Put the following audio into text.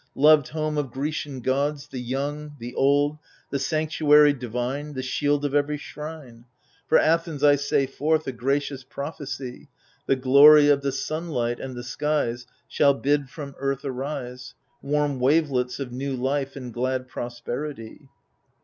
Loved home of Grecian gods, the young, the old« The sanctuary divine, The shield of every shrine ! For Athens I say forth a gracious prophecy, — The glory of the sunlight and the skies Shall bid from earth arise Warm wavelets of new life and glad prosperity.